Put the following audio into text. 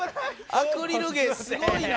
アクリル芸すごいな。